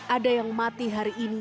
ada yang mati hari ini